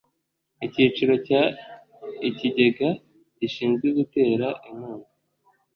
Icyiciro cya Ikigega gishinzwe gutera inkunga